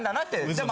でも。